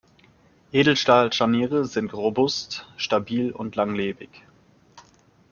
Edelstahl-Scharniere sind robust, stabil und langlebig.